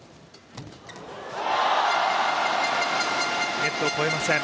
ネットを越えません。